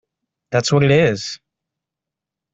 That’s what it is!